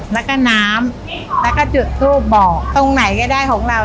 แล้วก็น้ำแล้วก็จุดทูปบอกตรงไหนก็ได้ของเรา